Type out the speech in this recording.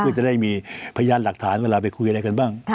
เพื่อจะได้มีพยานหลักฐานเวลาไปคุยอะไรกันบ้าง